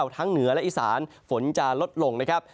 เหนือและอีสานฝนจะลดลงนะครับ